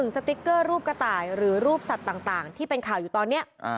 สติ๊กเกอร์รูปกระต่ายหรือรูปสัตว์ต่างที่เป็นข่าวอยู่ตอนนี้